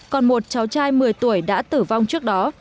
còn một cháu trai một mươi tuổi đã tử vong trước đó